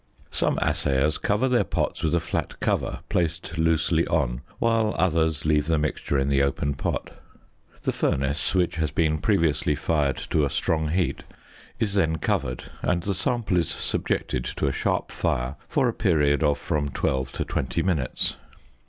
Some assayers cover their pots with a flat cover placed loosely on, while others leave the mixture in the open pot. The furnace, which has been previously fired to a strong heat, is then covered, and the sample is subjected to a sharp fire for a period of from twelve to twenty minutes.